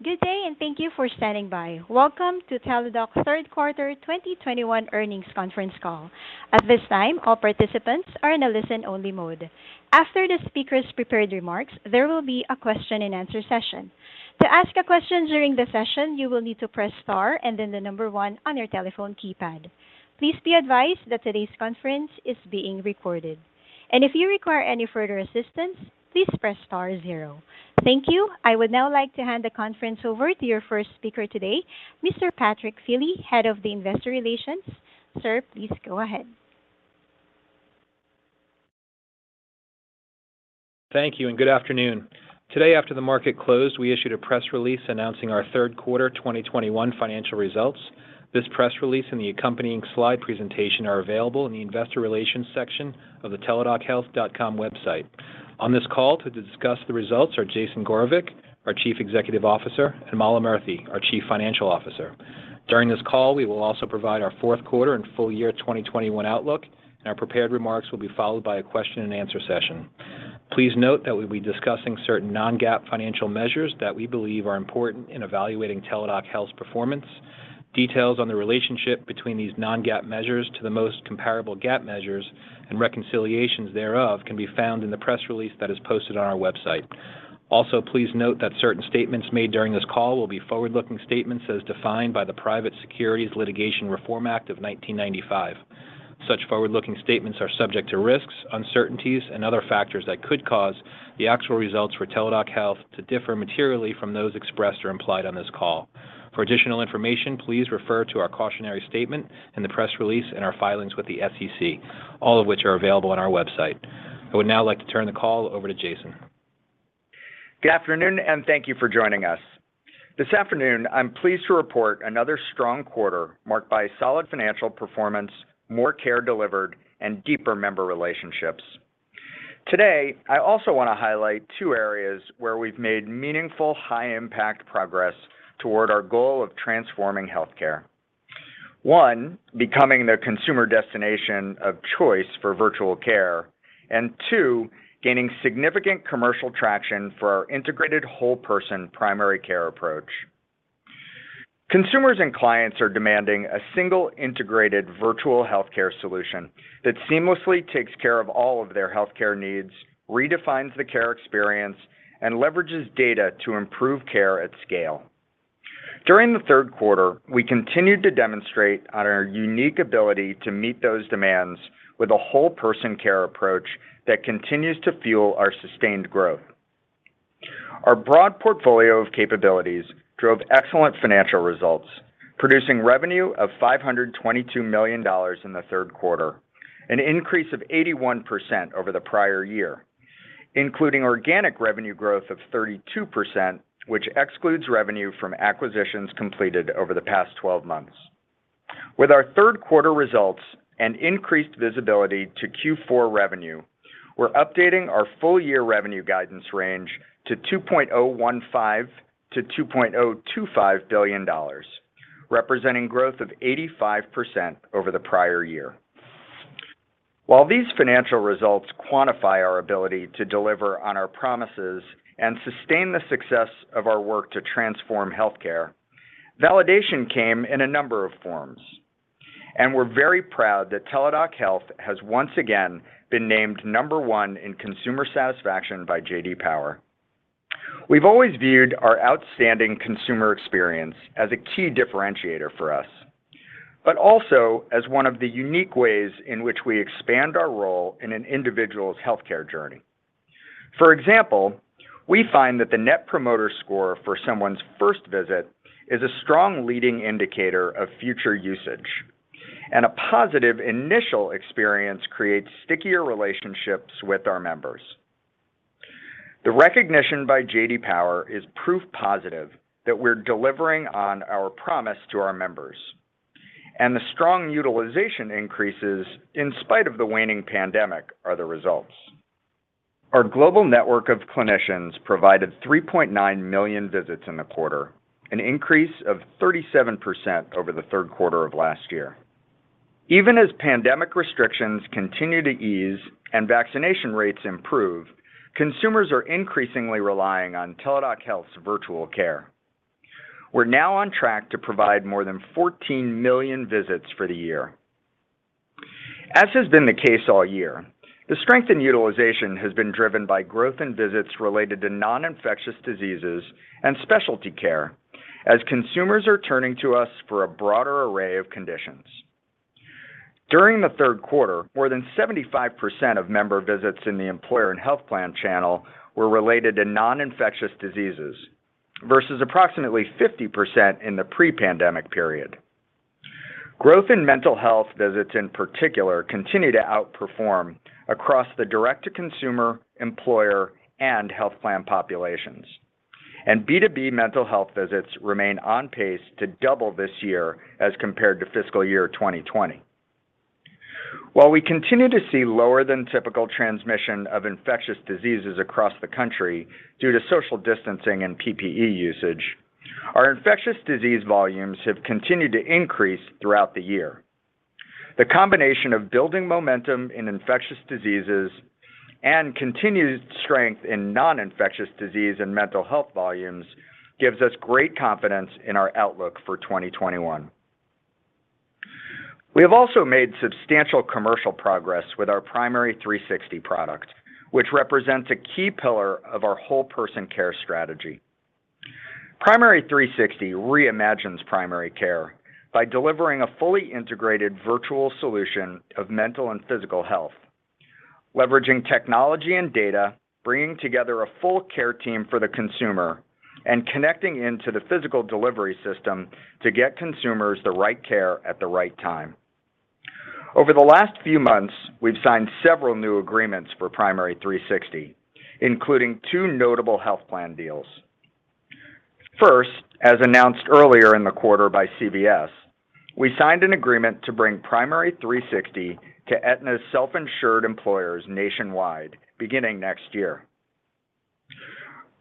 Good day and thank you for standing by. Welcome to Teladoc's Third Quarter 2021 Earnings Conference Call. At this time, all participants are in a listen-only mode. After the speakers' prepared remarks, there will be a question-and-answer session. To ask a question during the session, you will need to press star and then the number one on your telephone keypad. Please be advised that today's conference is being recorded. If you require any further assistance, please press star zero. Thank you. I would now like to hand the conference over to your first speaker today, Mr. Patrick Feeley, Head of Investor Relations. Sir, please go ahead. Thank you and good afternoon. Today after the market closed, we issued a press release announcing our third quarter 2021 financial results. This press release and the accompanying slide presentation are available in the investor relations section of the teladochealth.com website. On this call to discuss the results are Jason Gorevic, our Chief Executive Officer, and Mala Murthy, our Chief Financial Officer. During this call, we will also provide our fourth quarter and full year 2021 outlook, and our prepared remarks will be followed by a question-and-answer session. Please note that we'll be discussing certain non-GAAP financial measures that we believe are important in evaluating Teladoc Health's performance. Details on the relationship between these non-GAAP measures to the most comparable GAAP measures and reconciliations thereof can be found in the press release that is posted on our website. Also, please note that certain statements made during this call will be forward-looking statements as defined by the Private Securities Litigation Reform Act of 1995. Such forward-looking statements are subject to risks, uncertainties and other factors that could cause the actual results for Teladoc Health to differ materially from those expressed or implied on this call. For additional information, please refer to our cautionary statement in the press release and our filings with the SEC, all of which are available on our website. I would now like to turn the call over to Jason. Good afternoon, and thank you for joining us. This afternoon, I'm pleased to report another strong quarter marked by solid financial performance, more care delivered, and deeper member relationships. Today, I also wanna highlight two areas where we've made meaningful high-impact progress toward our goal of transforming healthcare. One, becoming the consumer destination of choice for virtual care. Two, gaining significant commercial traction for our integrated whole-person primary care approach. Consumers and clients are demanding a single integrated virtual healthcare solution that seamlessly takes care of all of their healthcare needs, redefines the care experience, and leverages data to improve care at scale. During the third quarter, we continued to demonstrate on our unique ability to meet those demands with a whole person care approach that continues to fuel our sustained growth. Our broad portfolio of capabilities drove excellent financial results, producing revenue of $522 million in the third quarter, an increase of 81% over the prior year, including organic revenue growth of 32%, which excludes revenue from acquisitions completed over the past 12 months. With our third quarter results and increased visibility to Q4 revenue, we're updating our full year revenue guidance range to $2.015 billion-$2.025 billion, representing growth of 85% over the prior year. While these financial results quantify our ability to deliver on our promises and sustain the success of our work to transform healthcare, validation came in a number of forms, and we're very proud that Teladoc Health has once again been named number one in consumer satisfaction by J.D. Power. We've always viewed our outstanding consumer experience as a key differentiator for us, but also as one of the unique ways in which we expand our role in an individual's healthcare journey. For example, we find that the net promoter score for someone's first visit is a strong leading indicator of future usage, and a positive initial experience creates stickier relationships with our members. The recognition by J.D. Power is proof positive that we're delivering on our promise to our members, and the strong utilization increases in spite of the waning pandemic are the results. Our global network of clinicians provided 3.9 million visits in the quarter, an increase of 37% over the third quarter of last year. Even as pandemic restrictions continue to ease and vaccination rates improve, consumers are increasingly relying on Teladoc Health's virtual care. We're now on track to provide more than 14 million visits for the year. As has been the case all year, the strength in utilization has been driven by growth in visits related to non-infectious diseases and specialty care as consumers are turning to us for a broader array of conditions. During the third quarter, more than 75% of member visits in the employer and health plan channel were related to non-infectious diseases versus approximately 50% in the pre-pandemic period. Growth in mental health visits, in particular, continue to outperform across the direct to consumer, employer, and health plan populations. B2B mental health visits remain on pace to double this year as compared to fiscal year 2020. While we continue to see lower than typical transmission of infectious diseases across the country due to social distancing and PPE usage, our infectious disease volumes have continued to increase throughout the year. The combination of building momentum in infectious diseases and continued strength in non-infectious disease and mental health volumes gives us great confidence in our outlook for 2021. We have also made substantial commercial progress with our Primary360 product, which represents a key pillar of our whole person care strategy. Primary360 reimagines primary care by delivering a fully integrated virtual solution of mental and physical health, leveraging technology and data, bringing together a full care team for the consumer, and connecting into the physical delivery system to get consumers the right care at the right time. Over the last few months, we've signed several new agreements for Primary360, including two notable health plan deals. First, as announced earlier in the quarter by CVS, we signed an agreement to bring Primary360 to Aetna's self-insured employers nationwide beginning next year.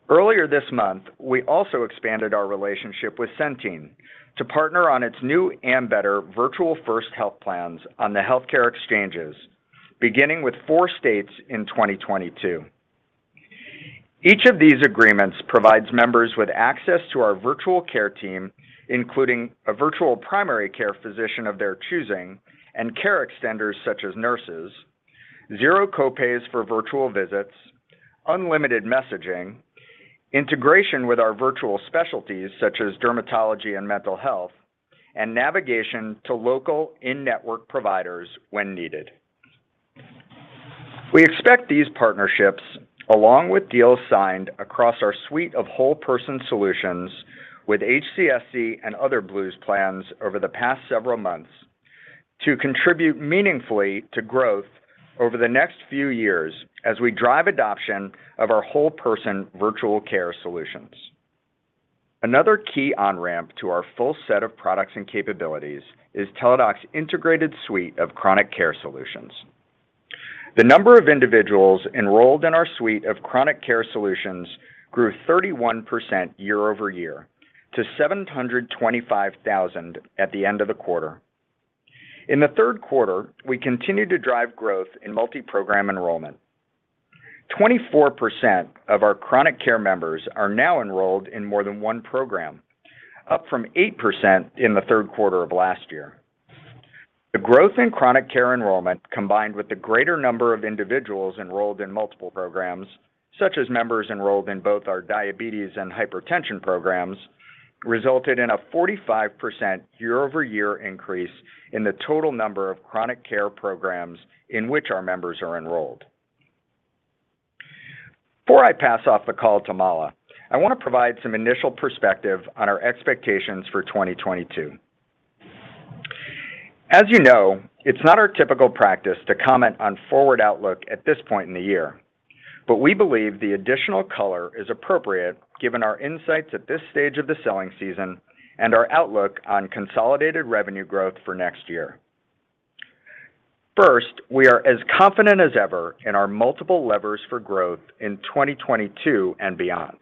Earlier this month, we also expanded our relationship with Centene to partner on its new Ambetter Virtual First health plans on the healthcare exchanges, beginning with four states in 2022. Each of these agreements provides members with access to our virtual care team, including a virtual primary care physician of their choosing and care extenders such as nurses, zero copays for virtual visits, unlimited messaging, integration with our virtual specialties such as dermatology and mental health, and navigation to local in-network providers when needed. We expect these partnerships, along with deals signed across our suite of whole person solutions with HCSC and other Blues plans over the past several months to contribute meaningfully to growth over the next few years as we drive adoption of our whole person virtual care solutions. Another key on-ramp to our full set of products and capabilities is Teladoc Health's integrated suite of chronic care solutions. The number of individuals enrolled in our suite of chronic care solutions grew 31% year-over-year to 725,000 at the end of the quarter. In the third quarter, we continued to drive growth in multi-program enrollment. 24% of our chronic care members are now enrolled in more than one program, up from 8% in the third quarter of last year. The growth in chronic care enrollment, combined with the greater number of individuals enrolled in multiple programs, such as members enrolled in both our diabetes and hypertension programs, resulted in a 45% year-over-year increase in the total number of chronic care programs in which our members are enrolled. Before I pass off the call to Mala, I want to provide some initial perspective on our expectations for 2022. As you know, it's not our typical practice to comment on forward outlook at this point in the year, but we believe the additional color is appropriate given our insights at this stage of the selling season and our outlook on consolidated revenue growth for next year. First, we are as confident as ever in our multiple levers for growth in 2022 and beyond.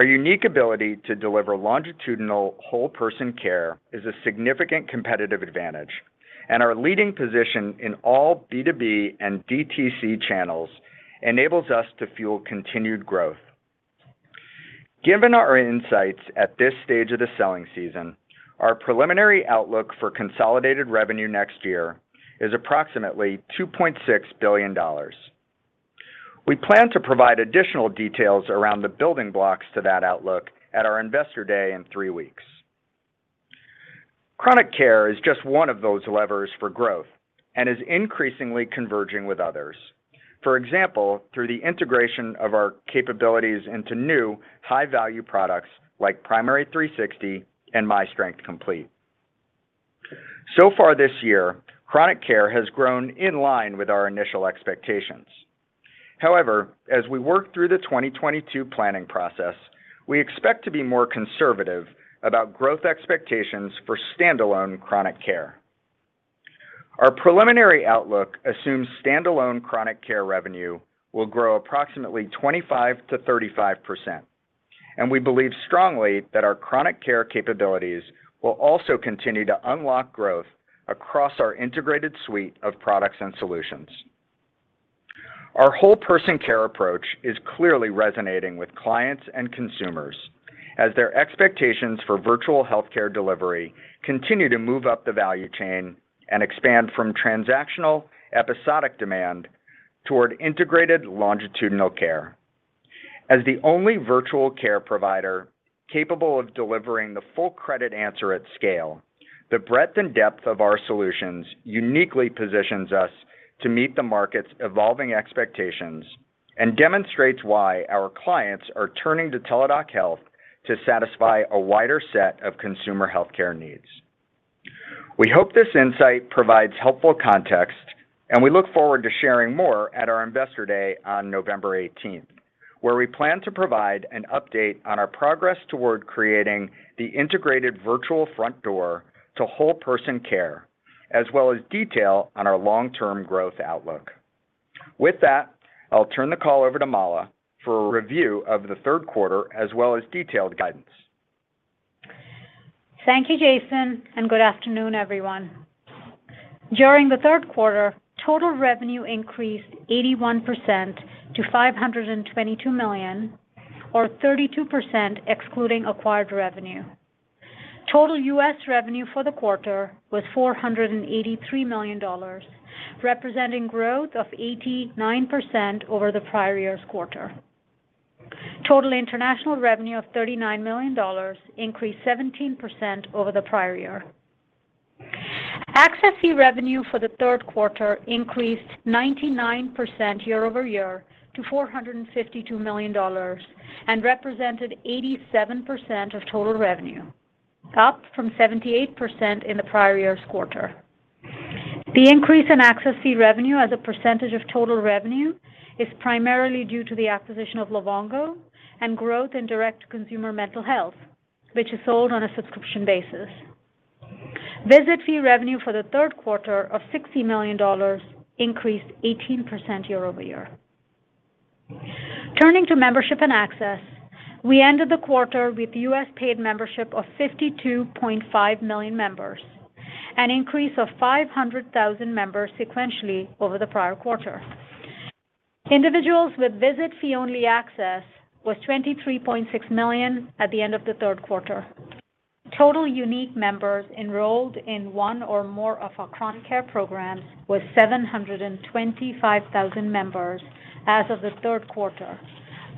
Our unique ability to deliver longitudinal whole person care is a significant competitive advantage, and our leading position in all B2B and DTC channels enables us to fuel continued growth. Given our insights at this stage of the selling season, our preliminary outlook for consolidated revenue next year is approximately $2.6 billion. We plan to provide additional details around the building blocks to that outlook at our Investor Day in three weeks. Chronic care is just one of those levers for growth and is increasingly converging with others. For example, through the integration of our capabilities into new high-value products like Primary360 and myStrength Complete. So far this year, chronic care has grown in line with our initial expectations. However, as we work through the 2022 planning process, we expect to be more conservative about growth expectations for standalone chronic care. Our preliminary outlook assumes standalone chronic care revenue will grow approximately 25%-35%, and we believe strongly that our chronic care capabilities will also continue to unlock growth across our integrated suite of products and solutions. Our whole person care approach is clearly resonating with clients and consumers as their expectations for virtual healthcare delivery continue to move up the value chain and expand from transactional episodic demand toward integrated longitudinal care. As the only virtual care provider capable of delivering the full continuum of care at scale, the breadth and depth of our solutions uniquely positions us to meet the market's evolving expectations and demonstrates why our clients are turning to Teladoc Health to satisfy a wider set of consumer healthcare needs. We hope this insight provides helpful context, and we look forward to sharing more at our Investor Day on November 18th, where we plan to provide an update on our progress toward creating the integrated virtual front door to whole person care, as well as detail on our long-term growth outlook. With that, I'll turn the call over to Mala for a review of the third quarter, as well as detailed guidance. Thank you, Jason, and good afternoon, everyone. During the third quarter, total revenue increased 81% to $522 million or 32% excluding acquired revenue. Total U.S. revenue for the quarter was $483 million, representing growth of 89% over the prior year's quarter. Total international revenue of $39 million increased 17% over the prior year. Access fee revenue for the third quarter increased 99% year-over-year to $452 million and represented 87% of total revenue, up from 78% in the prior year's quarter. The increase in access fee revenue as a percentage of total revenue is primarily due to the acquisition of Livongo and growth in direct-to-consumer mental health, which is sold on a subscription basis. Visit fee revenue for the third quarter of $60 million increased 18% year-over-year. Turning to membership and access, we ended the quarter with U.S. paid membership of 52.5 million members, an increase of 500,000 members sequentially over the prior quarter. Individuals with visit fee only access was 23.6 million at the end of the third quarter. Total unique members enrolled in one or more of our chronic care programs was 725,000 members as of the third quarter,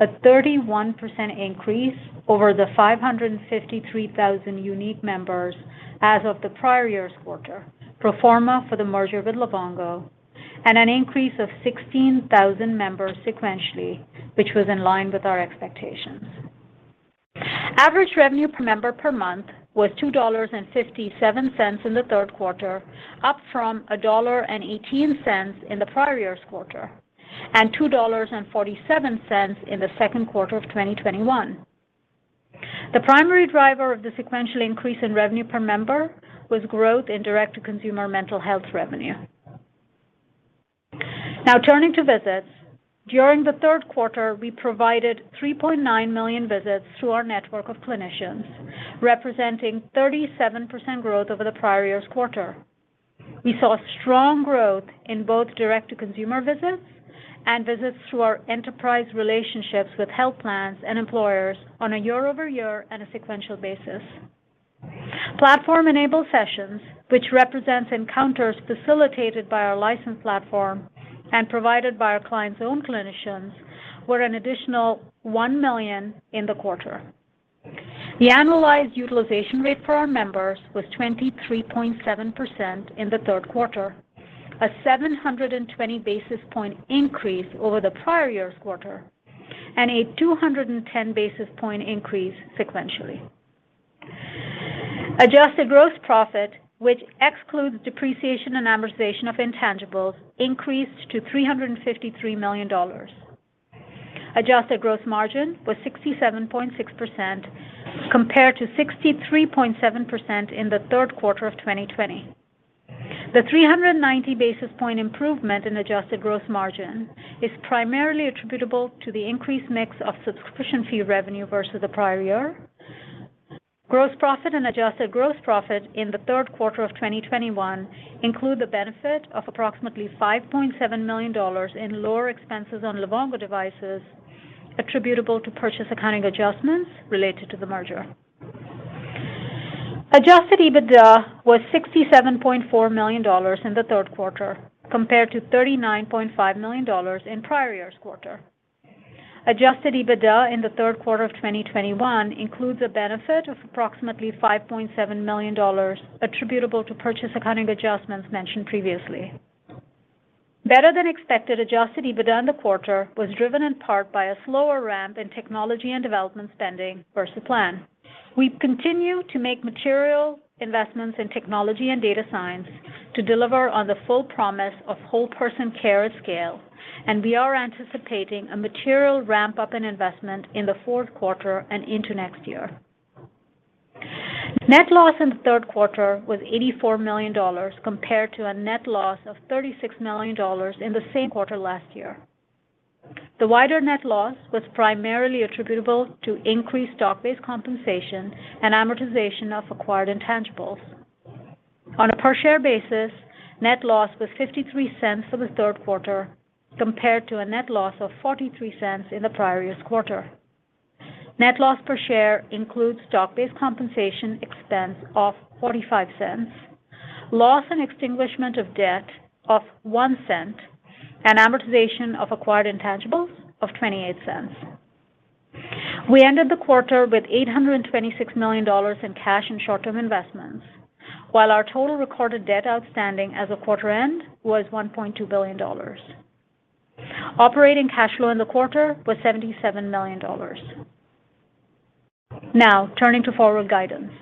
a 31% increase over the 553,000 unique members as of the prior year's quarter, pro forma for the merger with Livongo, and an increase of 16,000 members sequentially, which was in line with our expectations. Average revenue per member per month was $2.57 in the third quarter, up from $1.18 in the prior year's quarter, and $2.47 in the second quarter of 2021. The primary driver of the sequential increase in revenue per member was growth in direct-to-consumer mental health revenue. Now, turning to visits. During the third quarter, we provided 3.9 million visits through our network of clinicians, representing 37% growth over the prior year's quarter. We saw strong growth in both direct-to-consumer visits and visits through our enterprise relationships with health plans and employers on a year-over-year and a sequential basis. Platform-enabled sessions, which represents encounters facilitated by our licensed platform and provided by our clients' own clinicians, were an additional 1 million in the quarter. The annualized utilization rate for our members was 23.7% in the third quarter, a 720 basis points increase over the prior year's quarter, and a 210 basis points increase sequentially. Adjusted gross profit, which excludes depreciation and amortization of intangibles, increased to $353 million. Adjusted gross margin was 67.6% compared to 63.7% in the third quarter of 2020. The 390 basis points improvement in adjusted gross margin is primarily attributable to the increased mix of subscription fee revenue versus the prior year. Gross profit and adjusted gross profit in the third quarter of 2021 include the benefit of approximately $5.7 million in lower expenses on Livongo devices attributable to purchase accounting adjustments related to the merger. Adjusted EBITDA was $67.4 million in the third quarter, compared to $39.5 million in prior year's quarter. Adjusted EBITDA in the third quarter of 2021 includes a benefit of approximately $5.7 million attributable to purchase accounting adjustments mentioned previously. Better than expected Adjusted EBITDA in the quarter was driven in part by a slower ramp in technology and development spending versus plan. We continue to make material investments in technology and data science to deliver on the full promise of whole person care at scale, and we are anticipating a material ramp up in investment in the fourth quarter and into next year. Net loss in the third quarter was $84 million compared to a net loss of $36 million in the same quarter last year. The wider net loss was primarily attributable to increased stock-based compensation and amortization of acquired intangibles. On a per share basis, net loss was $0.53 for the third quarter compared to a net loss of $0.43 in the prior year's quarter. Net loss per share includes stock-based compensation expense of $0.45, loss and extinguishment of debt of $0.01, and amortization of acquired intangibles of $0.28. We ended the quarter with $826 million in cash and short-term investments, while our total recorded debt outstanding as of quarter end was $1.2 billion. Operating cash flow in the quarter was $77 million. Now, turning to forward guidance.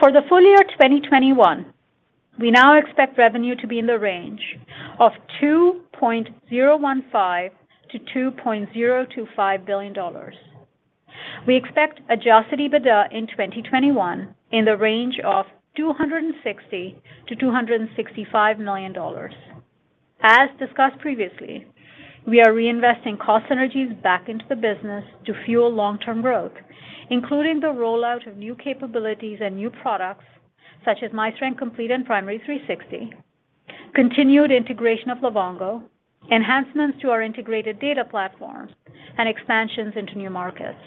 For the full year 2021, we now expect revenue to be in the range of $2.015 billion-$2.025 billion. We expect Adjusted EBITDA in 2021 in the range of $260 million-$265 million. As discussed previously, we are reinvesting cost synergies back into the business to fuel long-term growth, including the rollout of new capabilities and new products such as myStrength Complete and Primary360, continued integration of Livongo, enhancements to our integrated data platform, and expansions into new markets.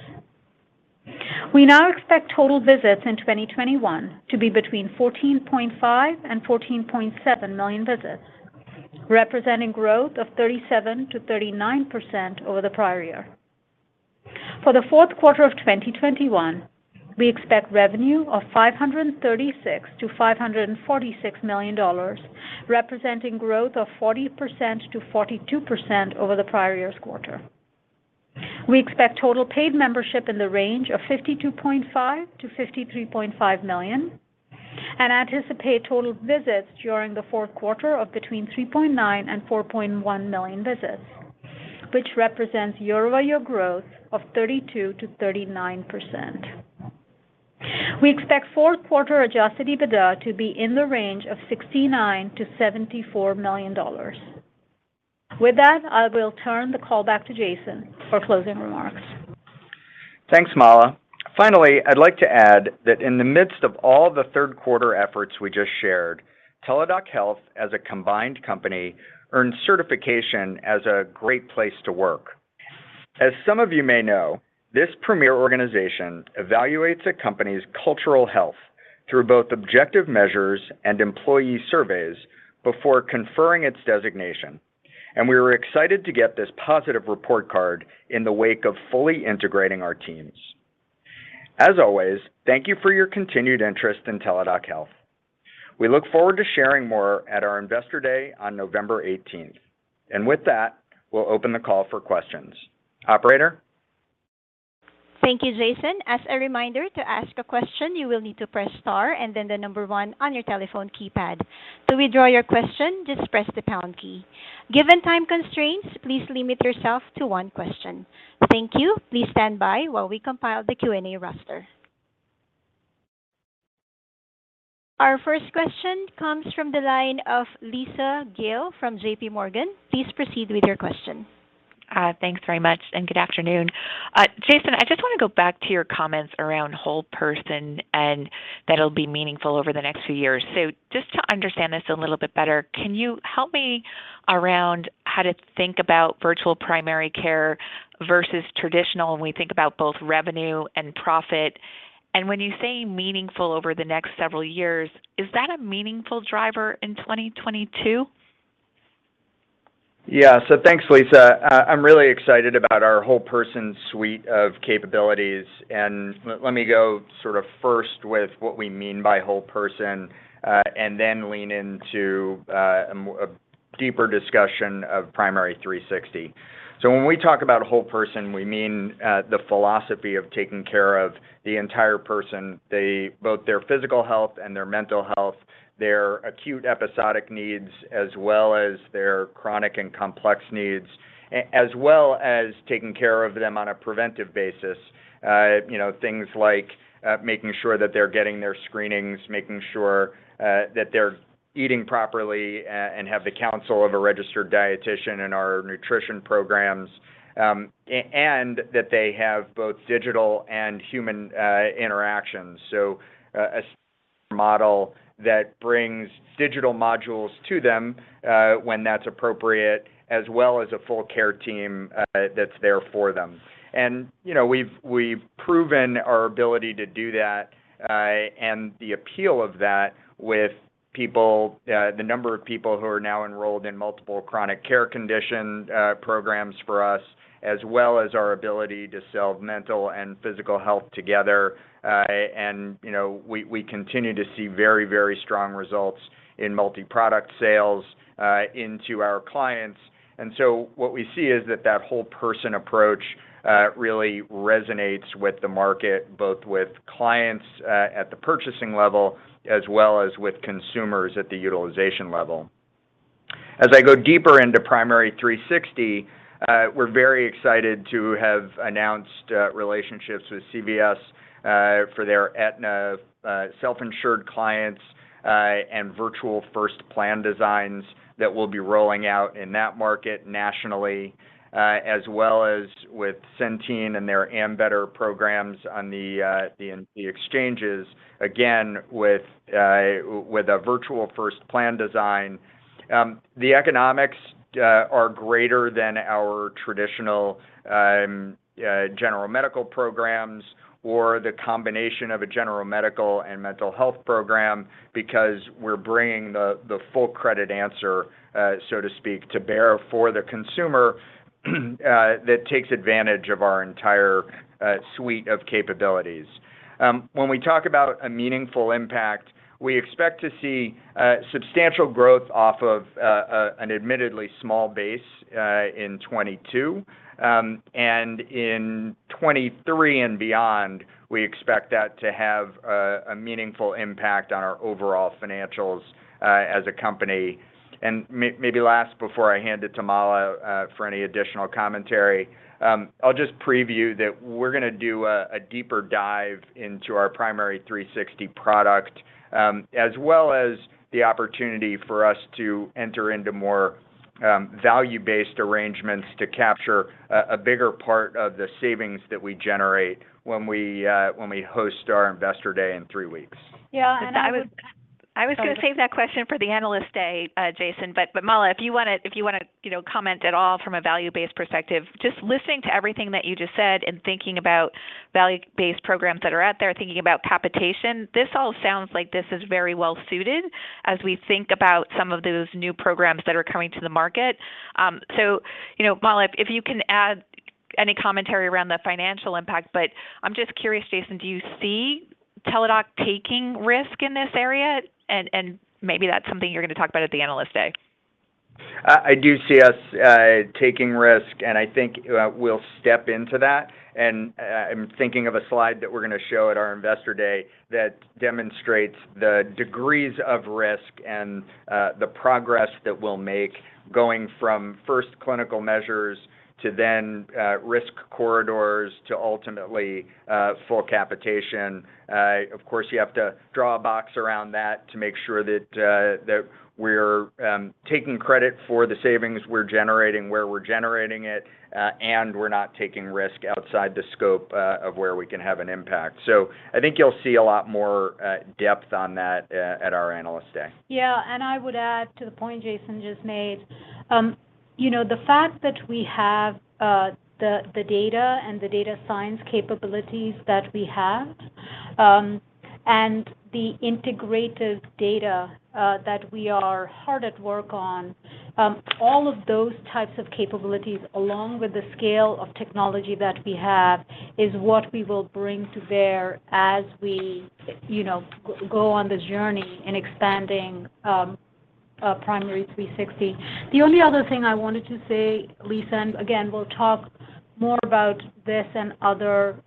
We now expect total visits in 2021 to be between 14.5 million and 14.7 million visits, representing growth of 37%-39% over the prior year. For the fourth quarter of 2021, we expect revenue of $536 million-$546 million, representing growth of 40%-42% over the prior year's quarter. We expect total paid membership in the range of 52.5 million-53.5 million and anticipate total visits during the fourth quarter of between 3.9 million-4.1 million visits, which represents year-over-year growth of 32%-39%. We expect fourth quarter Adjusted EBITDA to be in the range of $69 million-$74 million. With that, I will turn the call back to Jason for closing remarks. Thanks, Mala. Finally, I'd like to add that in the midst of all the third quarter efforts we just shared, Teladoc Health as a combined company earned certification as a Great Place to Work. As some of you may know, this premier organization evaluates a company's cultural health through both objective measures and employee surveys before conferring its designation. We were excited to get this positive report card in the wake of fully integrating our teams. As always, thank you for your continued interest in Teladoc Health. We look forward to sharing more at our Investor Day on November 18th. With that, we'll open the call for questions. Operator. Thank you, Jason. As a reminder, to ask a question, you will need to press star and then the number one on your telephone keypad. To withdraw your question, just press the pound key. Given time constraints, please limit yourself to one question. Thank you. Please stand by while we compile the Q&A roster. Our first question comes from the line of Lisa Gill from JPMorgan. Please proceed with your question. Thanks very much and good afternoon. Jason, I just want to go back to your comments around whole person and that'll be meaningful over the next few years. Just to understand this a little bit better, can you help me around how to think about virtual primary care versus traditional when we think about both revenue and profit? When you say meaningful over the next several years, is that a meaningful driver in 2022? Yeah. Thanks, Lisa. I'm really excited about our whole person suite of capabilities. Let me go sort of first with what we mean by whole person, and then lean into a deeper discussion of Primary360. When we talk about whole person, we mean the philosophy of taking care of the entire person. Both their physical health and their mental health, their acute episodic needs, as well as their chronic and complex needs, as well as taking care of them on a preventive basis. You know, things like making sure that they're getting their screenings, making sure that they're eating properly and have the counsel of a registered dietitian in our nutrition programs, and that they have both digital and human interactions. A model that brings digital modules to them, when that's appropriate, as well as a full care team that's there for them. You know, we've proven our ability to do that, and the appeal of that with people, the number of people who are now enrolled in multiple chronic care condition programs for us, as well as our ability to sell mental and physical health together. You know, we continue to see very, very strong results in multi-product sales into our clients. What we see is that whole person approach really resonates with the market, both with clients at the purchasing level as well as with consumers at the utilization level. As I go deeper into Primary360, we're very excited to have announced relationships with CVS for their Aetna self-insured clients and virtual first plan designs that we'll be rolling out in that market nationally, as well as with Centene and their Ambetter programs on the exchanges, again, with a virtual first plan design. The economics are greater than our traditional general medical programs or the combination of a general medical and mental health program because we're bringing the full care continuum, so to speak, to bear for the consumer that takes advantage of our entire suite of capabilities. When we talk about a meaningful impact, we expect to see substantial growth off of an admittedly small base in 2022. In 2023 and beyond, we expect that to have a meaningful impact on our overall financials as a company. Maybe last before I hand it to Mala for any additional commentary, I'll just preview that we're gonna do a deeper dive into our Primary360 product as well as the opportunity for us to enter into more value-based arrangements to capture a bigger part of the savings that we generate when we host our Investor Day in three weeks. Yeah. I would- I was gonna save that question for the Analyst Day, Jason, but Mala, if you wanna you know, comment at all from a value-based perspective, just listening to everything that you just said and thinking about value-based programs that are out there, thinking about capitation, this all sounds like this is very well suited as we think about some of those new programs that are coming to the market. So, you know, Mala, if you can add any commentary around the financial impact, but I'm just curious, Jason, do you see Teladoc taking risk in this area? And maybe that's something you're gonna talk about at the Analyst Day. I do see us taking risk, and I think we'll step into that. I'm thinking of a slide that we're gonna show at our Investor Day that demonstrates the degrees of risk and the progress that we'll make going from first clinical measures to then risk corridors to ultimately full capitation. Of course, you have to draw a box around that to make sure that we're taking credit for the savings we're generating, where we're generating it, and we're not taking risk outside the scope of where we can have an impact. I think you'll see a lot more depth on that at our Analyst Day. Yeah. I would add to the point Jason just made. You know, the fact that we have the data and the data science capabilities that we have, and the integrated data that we are hard at work on, all of those types of capabilities, along with the scale of technology that we have, is what we will bring to bear as we, you know, go on the journey in expanding Primary360. The only other thing I wanted to say, Lisa, and again, we'll talk more about this and other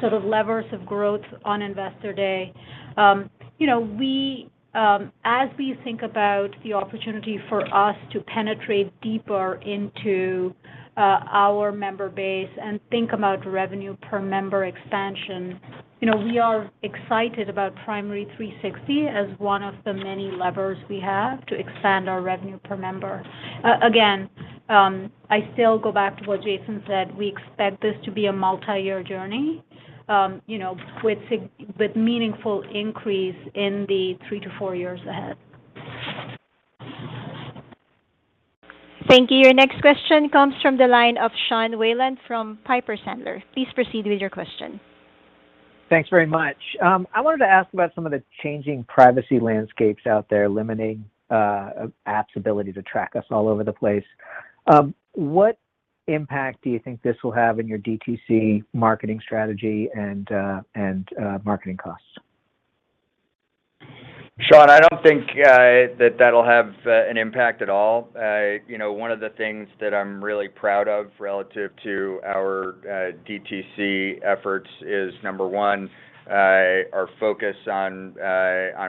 sort of levers of growth on Investor Day. You know, as we think about the opportunity for us to penetrate deeper into our member base and think about revenue per member expansion, you know, we are excited about Primary360 as one of the many levers we have to expand our revenue per member. Again, I still go back to what Jason said, we expect this to be a multi-year journey, you know, with meaningful increase in the three to four years ahead. Thank you. Your next question comes from the line of Sean Wieland from Piper Sandler. Please proceed with your question. Thanks very much. I wanted to ask about some of the changing privacy landscapes out there limiting apps' ability to track us all over the place. What impact do you think this will have in your DTC marketing strategy and marketing costs? Sean, I don't think that that'll have an impact at all. You know, one of the things that I'm really proud of relative to our DTC efforts is, number one, our focus on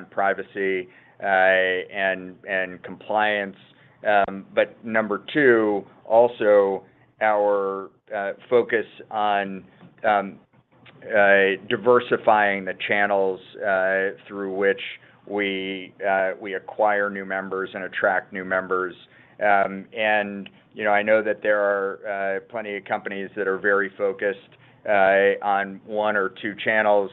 privacy and compliance. But number two, also our focus on diversifying the channels through which we acquire new members and attract new members. And, you know, I know that there are plenty of companies that are very focused on one or two channels.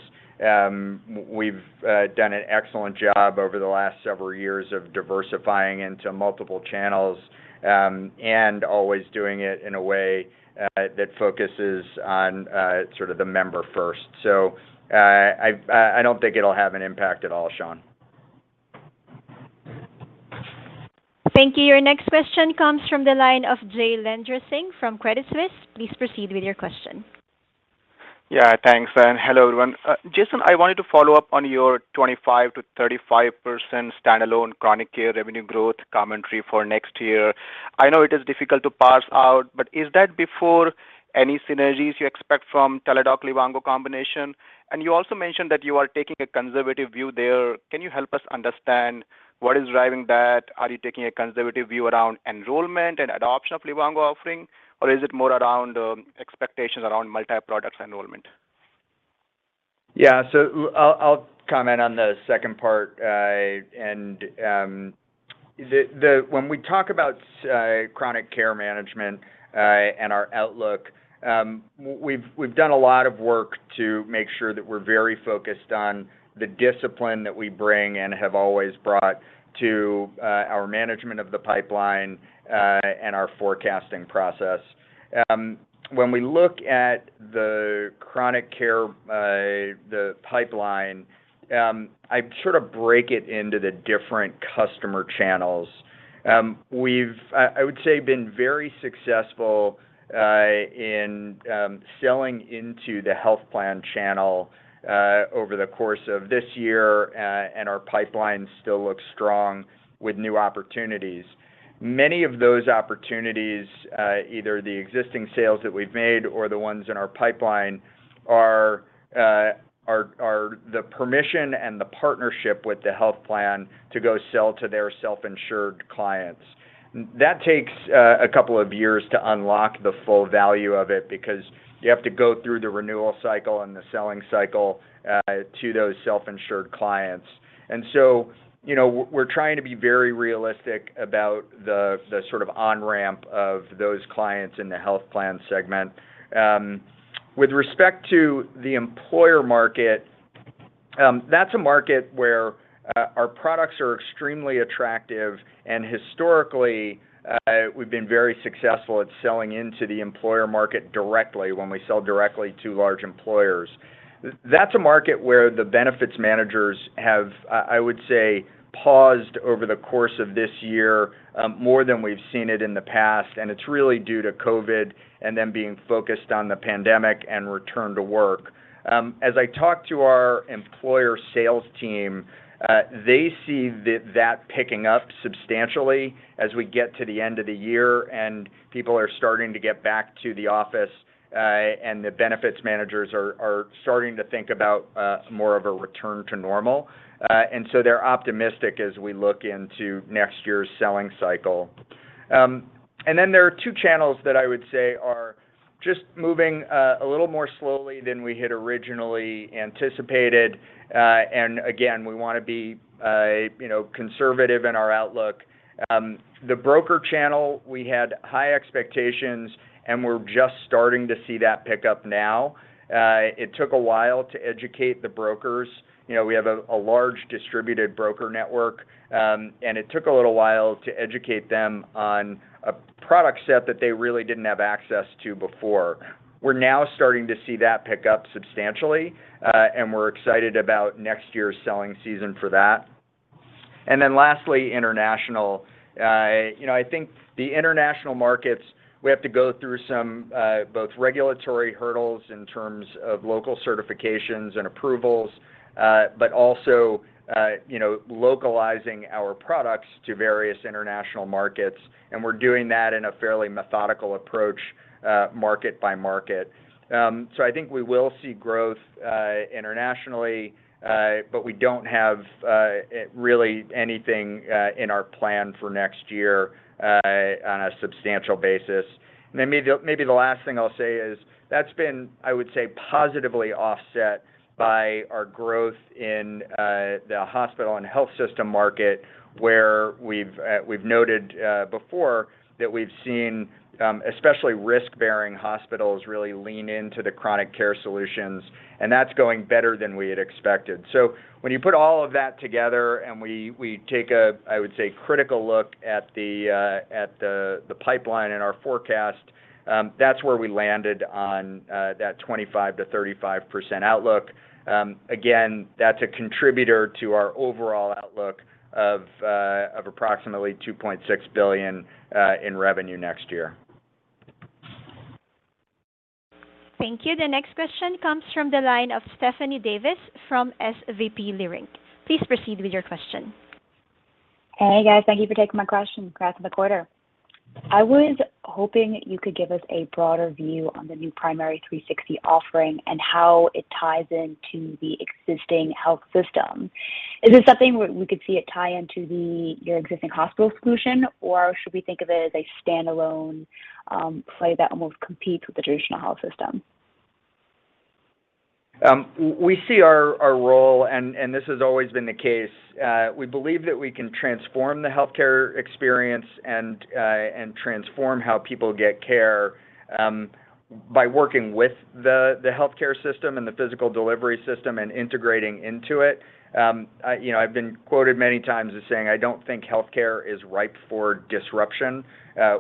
We've done an excellent job over the last several years of diversifying into multiple channels, and always doing it in a way that focuses on sort of the member first. I don't think it'll have an impact at all, Sean. Thank you. Your next question comes from the line of Jailendra Singh from Credit Suisse. Please proceed with your question. Yeah, thanks. Hello, everyone. Jason, I wanted to follow up on your 25%-35% stand-alone chronic care revenue growth commentary for next year. I know it is difficult to parse out, but is that before any synergies you expect from Teladoc Livongo combination? You also mentioned that you are taking a conservative view there. Can you help us understand what is driving that? Are you taking a conservative view around enrollment and adoption of Livongo offering, or is it more around expectations around multi-product enrollment? Yeah. I'll comment on the second part. When we talk about chronic care management and our outlook, we've done a lot of work to make sure that we're very focused on the discipline that we bring and have always brought to our management of the pipeline and our forecasting process. When we look at the chronic care pipeline, I sort of break it into the different customer channels. We've, I would say, been very successful in selling into the health plan channel over the course of this year, and our pipeline still looks strong with new opportunities. Many of those opportunities, either the existing sales that we've made or the ones in our pipeline are the permission and the partnership with the health plan to go sell to their self-insured clients. That takes a couple of years to unlock the full value of it, because you have to go through the renewal cycle and the selling cycle to those self-insured clients. You know, we're trying to be very realistic about the sort of on-ramp of those clients in the health plan segment. With respect to the employer market, that's a market where our products are extremely attractive, and historically, we've been very successful at selling into the employer market directly when we sell directly to large employers. That's a market where the benefits managers have, I would say, paused over the course of this year, more than we've seen it in the past, and it's really due to COVID and them being focused on the pandemic and return to work. As I talk to our employer sales team, they see that picking up substantially as we get to the end of the year and people are starting to get back to the office, and the benefits managers are starting to think about more of a return to normal. They're optimistic as we look into next year's selling cycle. There are two channels that I would say are just moving a little more slowly than we had originally anticipated. Again, we wanna be, you know, conservative in our outlook. The broker channel, we had high expectations, and we're just starting to see that pick up now. It took a while to educate the brokers. You know, we have a large distributed broker network, and it took a little while to educate them on a product set that they really didn't have access to before. We're now starting to see that pick up substantially, and we're excited about next year's selling season for that. Lastly, international. You know, I think the international markets, we have to go through some both regulatory hurdles in terms of local certifications and approvals, but also, you know, localizing our products to various international markets, and we're doing that in a fairly methodical approach, market-by-market. I think we will see growth internationally, but we don't have really anything in our plan for next year on a substantial basis. Maybe the last thing I'll say is that's been, I would say, positively offset by our growth in the hospital and health system market, where we've noted before that we've seen, especially risk-bearing hospitals really lean into the chronic care solutions, and that's going better than we had expected. When you put all of that together and we take a, I would say, critical look at the pipeline and our forecast, that's where we landed on that 25%-35% outlook. Again, that's a contributor to our overall outlook of approximately $2.6 billion in revenue next year. Thank you. The next question comes from the line of Stephanie Davis from SVB Leerink. Please proceed with your question. Hey, guys. Thank you for taking my question. Congrats on the quarter. I was hoping you could give us a broader view on the new Primary360 offering and how it ties into the existing health system. Is this something we could see it tie into your existing hospital solution, or should we think of it as a standalone play that almost competes with the traditional health system? We see our role, and this has always been the case. We believe that we can transform the healthcare experience and transform how people get care by working with the healthcare system and the physical delivery system and integrating into it. You know, I've been quoted many times as saying, "I don't think healthcare is ripe for disruption."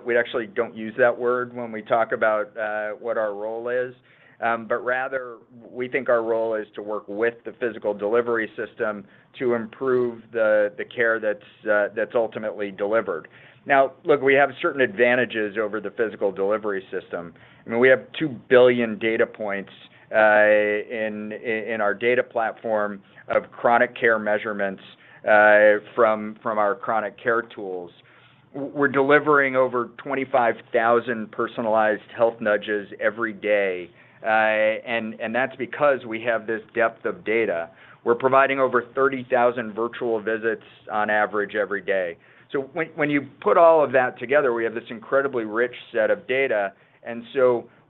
We actually don't use that word when we talk about what our role is. Rather, we think our role is to work with the physical delivery system to improve the care that's ultimately delivered. Now, look, we have certain advantages over the physical delivery system. I mean, we have 2 billion data points in our data platform of chronic care measurements from our chronic care tools. We're delivering over 25,000 personalized health nudges every day. And that's because we have this depth of data. We're providing over 30,000 virtual visits on average every day. When you put all of that together, we have this incredibly rich set of data.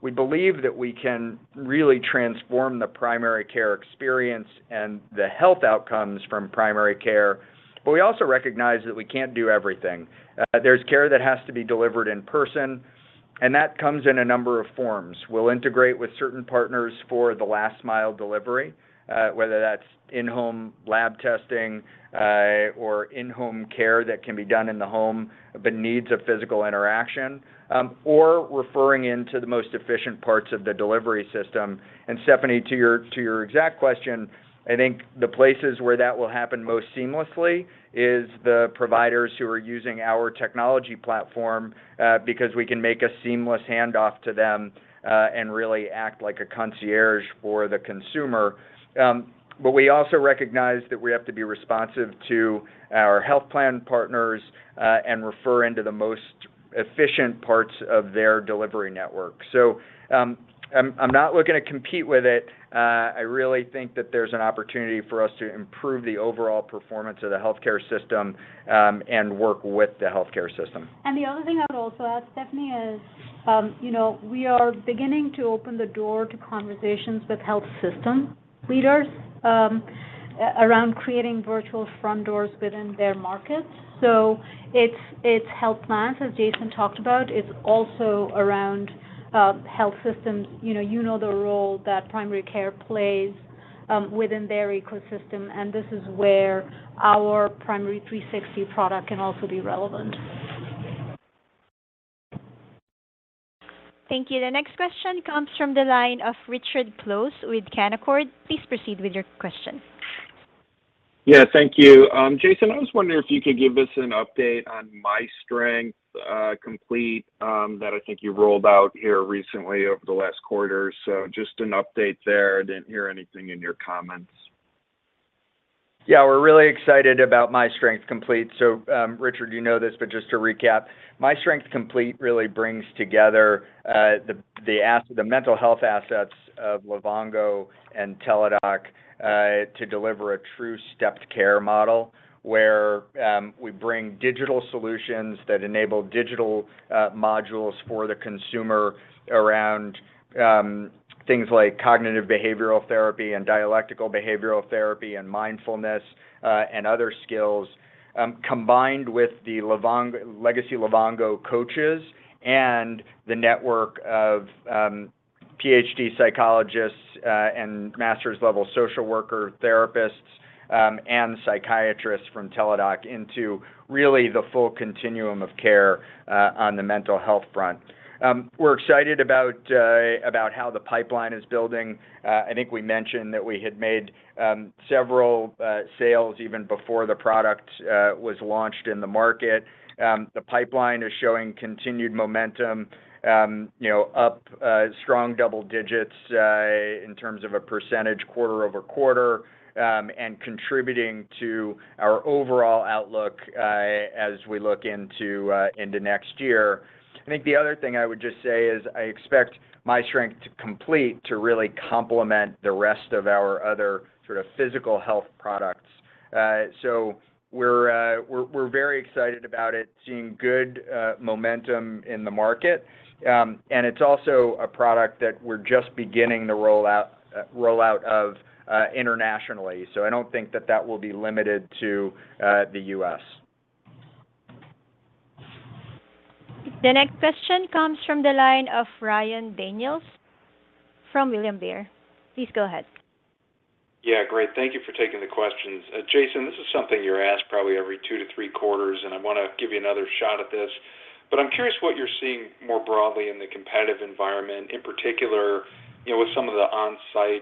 We believe that we can really transform the primary care experience and the health outcomes from primary care, but we also recognize that we can't do everything. There's care that has to be delivered in person, and that comes in a number of forms. We'll integrate with certain partners for the last mile delivery, whether that's in-home lab testing, or in-home care that can be done in the home but needs a physical interaction, or referring into the most efficient parts of the delivery system. Stephanie, to your exact question, I think the places where that will happen most seamlessly is the providers who are using our technology platform, because we can make a seamless handoff to them, and really act like a concierge for the consumer. But we also recognize that we have to be responsive to our health plan partners, and refer into the most efficient parts of their delivery network. I'm not looking to compete with it. I really think that there's an opportunity for us to improve the overall performance of the healthcare system, and work with the healthcare system. The other thing I would also add, Stephanie, is, you know, we are beginning to open the door to conversations with health system leaders, around creating virtual front doors within their markets. It's health plans, as Jason talked about. It's also around health systems. You know the role that primary care plays within their ecosystem, and this is where our Primary360 product can also be relevant. Thank you. The next question comes from the line of Richard Close with Canaccord. Please proceed with your question. Yeah, thank you. Jason, I was wondering if you could give us an update on myStrength Complete that I think you rolled out here recently over the last quarter. Just an update there. I didn't hear anything in your comments. Yeah. We're really excited about myStrength Complete. Richard, you know this, but just to recap, myStrength Complete really brings together the mental health assets of Livongo and Teladoc to deliver a true stepped care model where we bring digital solutions that enable digital modules for the consumer around things like cognitive behavioral therapy and dialectical behavioral therapy and mindfulness and other skills combined with the legacy Livongo coaches and the network of PhD psychologists and master's-level social worker, therapists and psychiatrists from Teladoc into really the full continuum of care on the mental health front. We're excited about how the pipeline is building. I think we mentioned that we had made several sales even before the product was launched in the market. The pipeline is showing continued momentum, you know, up strong double digits in terms of a percentage quarter-over-quarter, and contributing to our overall outlook as we look into next year. I think the other thing I would just say is I expect myStrength Complete to really complement the rest of our other sort of physical health products. We're very excited about it, seeing good momentum in the market. It's also a product that we're just beginning the rollout of internationally. I don't think that will be limited to the U.S. The next question comes from the line of Ryan Daniels from William Blair. Please go ahead. Yeah, great. Thank you for taking the questions. Jason, this is something you're asked probably every two to three quarters, and I wanna give you another shot at this. But I'm curious what you're seeing more broadly in the competitive environment, in particular, you know, with some of the on-site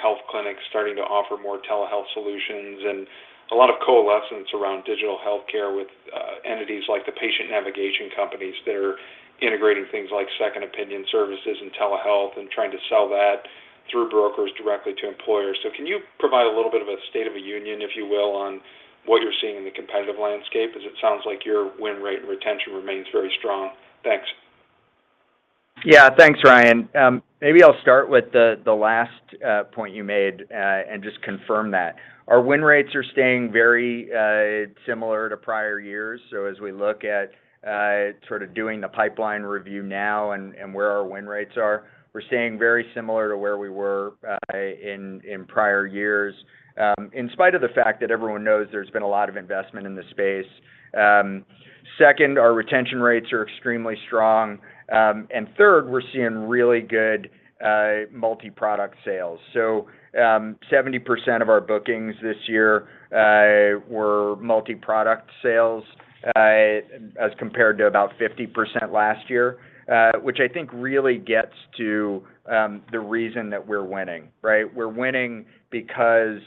health clinics starting to offer more telehealth solutions and a lot of coalescence around digital healthcare with entities like the patient navigation companies that are integrating things like second opinion services and telehealth and trying to sell that through brokers directly to employers. Can you provide a little bit of a state of the union, if you will, on what you're seeing in the competitive landscape? As it sounds like your win rate and retention remains very strong. Thanks. Yeah. Thanks, Ryan. Maybe I'll start with the last point you made and just confirm that. Our win rates are staying very similar to prior years. As we look at sort of doing the pipeline review now and where our win rates are, we're staying very similar to where we were in prior years in spite of the fact that everyone knows there's been a lot of investment in the space. Second, our retention rates are extremely strong. Third, we're seeing really good multi-product sales. 70% of our bookings this year were multi-product sales as compared to about 50% last year, which I think really gets to the reason that we're winning, right? We're winning because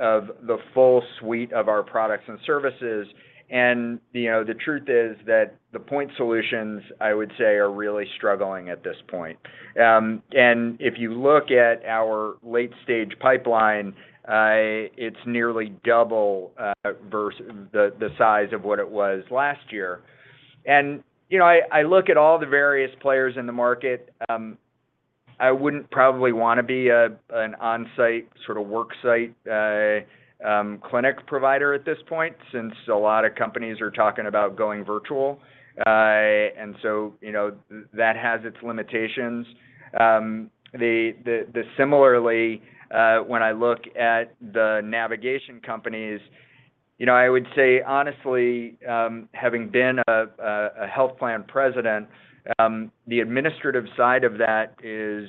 of the full suite of our products and services. You know, the truth is that the point solutions, I would say, are really struggling at this point. If you look at our late-stage pipeline, it's nearly double the size of what it was last year. You know, I look at all the various players in the market. I wouldn't probably wanna be an on-site, sort of work site clinic provider at this point since a lot of companies are talking about going virtual. You know, that has its limitations. Similarly, when I look at the navigation companies, you know, I would say honestly, having been a health plan president, the administrative side of that is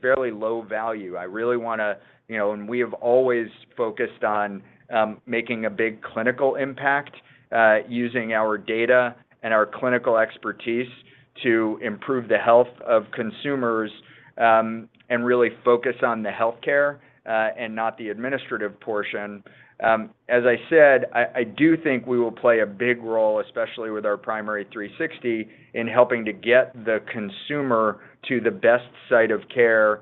fairly low value. I really wanna, you know, and we have always focused on making a big clinical impact using our data and our clinical expertise to improve the health of consumers and really focus on the healthcare and not the administrative portion. As I said, I do think we will play a big role, especially with our Primary360, in helping to get the consumer to the best site of care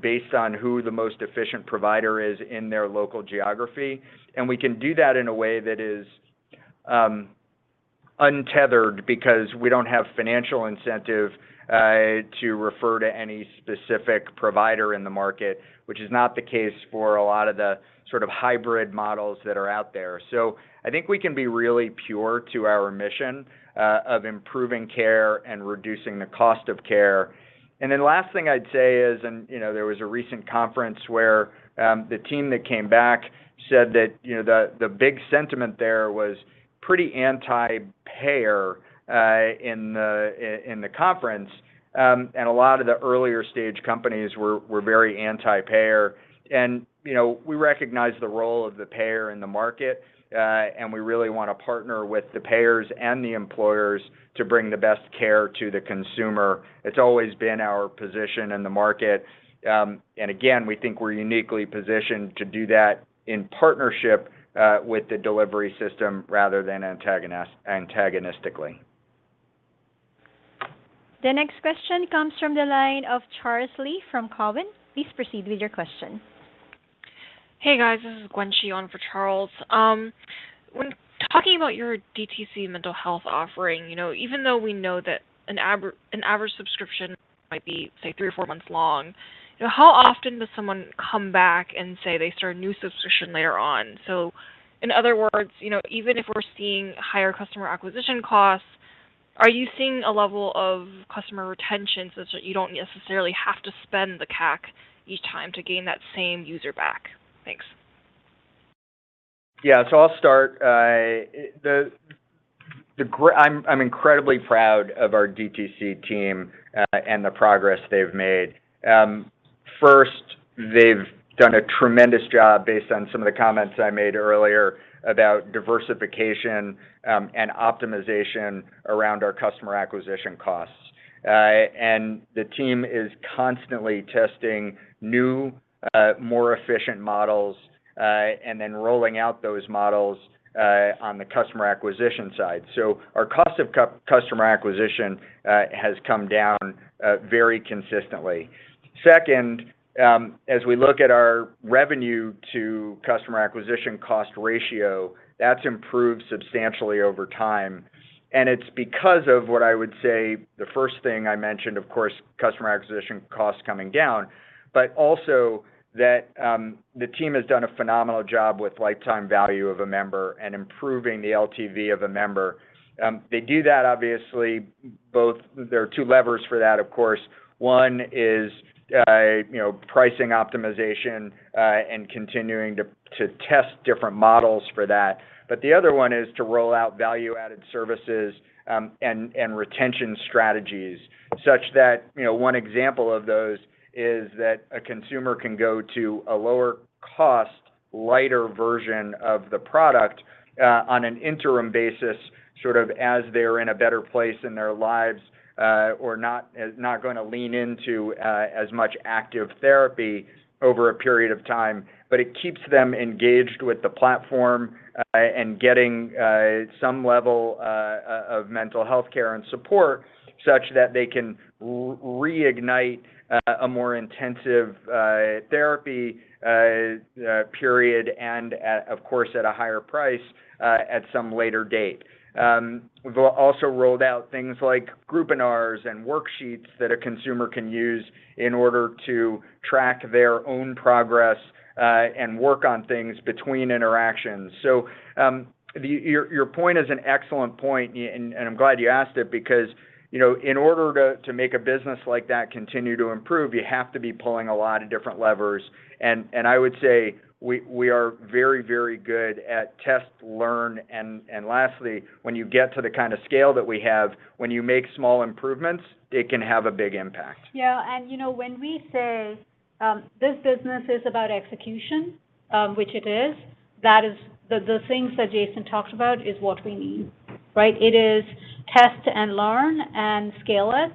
based on who the most efficient provider is in their local geography. We can do that in a way that is untethered because we don't have financial incentive to refer to any specific provider in the market, which is not the case for a lot of the sort of hybrid models that are out there. I think we can be really pure to our mission of improving care and reducing the cost of care. Last thing I'd say is, you know, there was a recent conference where the team that came back said that, you know, the big sentiment there was pretty anti-payer in the conference. A lot of the earlier stage companies were very anti-payer. You know, we recognize the role of the payer in the market, and we really wanna partner with the payers and the employers to bring the best care to the consumer. It's always been our position in the market. Again, we think we're uniquely positioned to do that in partnership with the delivery system rather than antagonistically. The next question comes from the line of Charles Rhyee from Cowen. Please proceed with your question. Hey, guys. This is Gwen Shi on for Charles. When talking about your DTC mental health offering, you know, even though we know that an average subscription might be, say, three or four months long, how often does someone come back and say they start a new subscription later on? In other words, you know, even if we're seeing higher customer acquisition costs, are you seeing a level of customer retention such that you don't necessarily have to spend the CAC each time to gain that same user back? Thanks. Yeah. I'll start. I'm incredibly proud of our DTC team and the progress they've made. First, they've done a tremendous job based on some of the comments I made earlier about diversification and optimization around our customer acquisition costs. The team is constantly testing new, more efficient models and then rolling out those models on the customer acquisition side. Our cost of customer acquisition has come down very consistently. Second, as we look at our revenue to customer acquisition cost ratio, that's improved substantially over time. It's because of what I would say, the first thing I mentioned, of course, customer acquisition costs coming down, but also that, the team has done a phenomenal job with lifetime value of a member and improving the LTV of a member. They do that obviously. There are two levers for that, of course. One is, you know, pricing optimization, and continuing to test different models for that. The other one is to roll out value-added services, and retention strategies such that, you know, one example of those is that a consumer can go to a lower cost, lighter version of the product, on an interim basis, sort of as they're in a better place in their lives, or not gonna lean into, as much active therapy over a period of time. It keeps them engaged with the platform and getting some level of mental health care and support such that they can reignite a more intensive therapy period and, of course, at a higher price at some later date. Also rolled out things like groupinars and worksheets that a consumer can use in order to track their own progress and work on things between interactions. Your point is an excellent point and I'm glad you asked it because, you know, in order to make a business like that continue to improve, you have to be pulling a lot of different levers. I would say we are very good at test, learn, and lastly, when you get to the kind of scale that we have, when you make small improvements, it can have a big impact. Yeah. You know, when we say this business is about execution, which it is, that is the things that Jason talked about is what we mean, right? It is test and learn and scale it.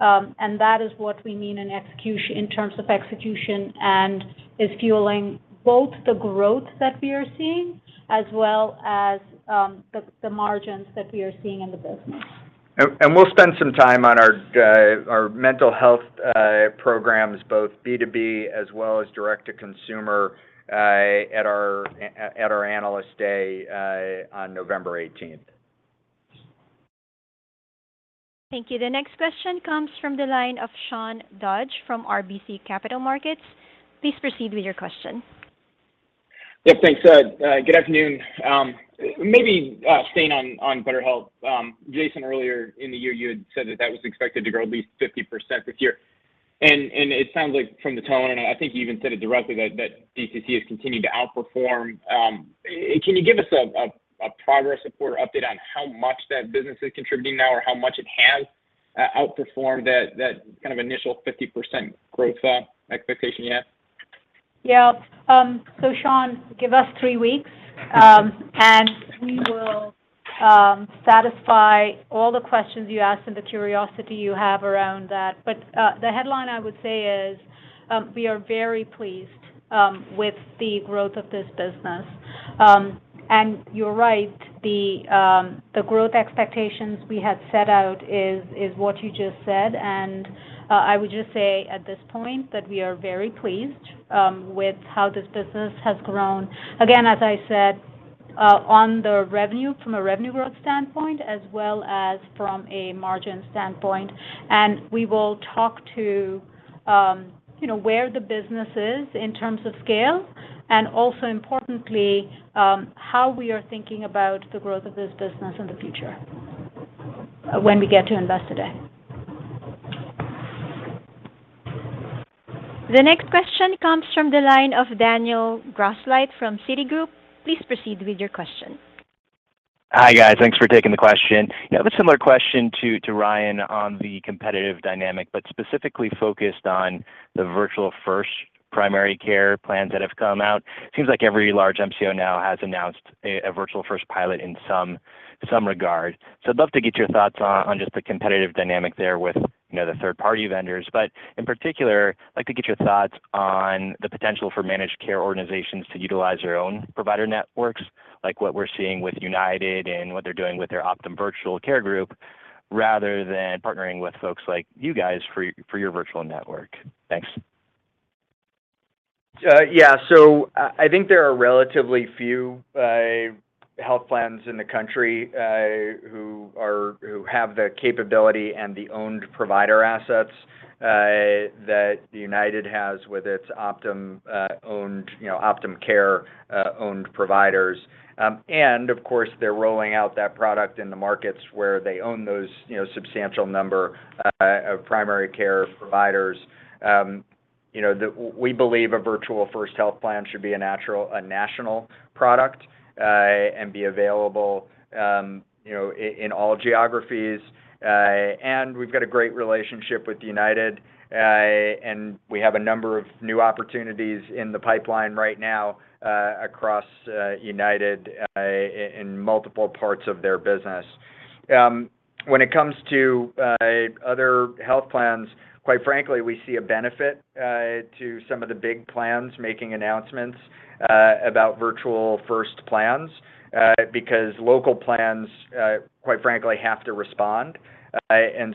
That is what we mean in terms of execution, and is fueling both the growth that we are seeing as well as the margins that we are seeing in the business. We'll spend some time on our mental health programs, both B2B as well as Direct-to-Consumer, at our Analyst Day on November 18th. Thank you. The next question comes from the line of Sean Dodge from RBC Capital Markets. Please proceed with your question. Yes, thanks, good afternoon. Maybe staying on BetterHelp. Jason, earlier in the year, you had said that was expected to grow at least 50% this year. It sounds like from the tone, and I think you even said it directly that DTC has continued to outperform. Can you give us a progress report update on how much that business is contributing now or how much it has outperformed that kind of initial 50% growth expectation you had? Yeah. Sean, give us three weeks, and we will satisfy all the questions you asked and the curiosity you have around that. The headline I would say is, we are very pleased with the growth of this business. You're right. The growth expectations we had set out is what you just said. I would just say at this point that we are very pleased with how this business has grown. Again, as I said. On the revenue, from a revenue growth standpoint, as well as from a margin standpoint. We will talk to, you know, where the business is in terms of scale, and also importantly, how we are thinking about the growth of this business in the future when we get to Investor Day. The next question comes from the line of Daniel Grosslight from Citigroup. Please proceed with your question. Hi, guys. Thanks for taking the question. Yeah. I have a similar question to Ryan on the competitive dynamic, but specifically focused on the virtual first primary care plans that have come out. It seems like every large MCO now has announced a virtual first pilot in some regard. I'd love to get your thoughts on just the competitive dynamic there with, you know, the third-party vendors. But in particular, I'd like to get your thoughts on the potential for managed care organizations to utilize their own provider networks, like what we're seeing with United and what they're doing with their Optum Virtual Care Group, rather than partnering with folks like you guys for your virtual network. Thanks. I think there are relatively few health plans in the country who have the capability and the owned provider assets that United has with its Optum owned, you know, Optum Care owned providers. Of course, they're rolling out that product in the markets where they own those, you know, substantial number of primary care providers. We believe a virtual first health plan should be a national product and be available in all geographies. We've got a great relationship with United, and we have a number of new opportunities in the pipeline right now across United in multiple parts of their business. When it comes to other health plans, quite frankly, we see a benefit to some of the big plans making announcements about virtual first plans because local plans, quite frankly, have to respond.